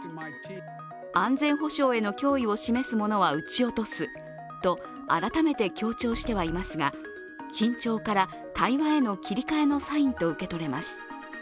安全保障への脅威を示すものは撃ち落とすと改めて強調してはいますが、緊張から対話への切り替えのサインと受け取れます。